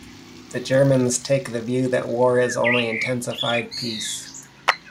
The Germans take the view that war is only intensified peace.